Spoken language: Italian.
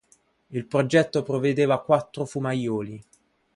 Il progetto prevedeva quattro fumaioli.